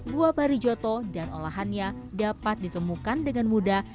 buah parijoto dan olahannya dapat ditemukan dengan mudah